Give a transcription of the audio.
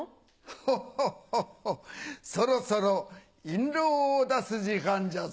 ホッホッホッそろそろ印籠を出す時間じゃぞ。